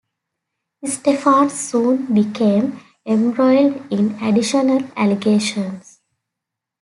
Stephan soon became embroiled in additional allegations.